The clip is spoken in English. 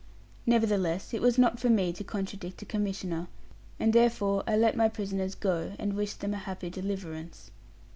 Nevertheless, it was not for me to contradict a commissioner; and therefore I let my prisoners go, and wished them a happy deliverance.